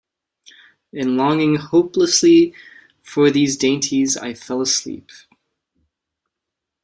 In longing hopelessly for these dainties I fell asleep.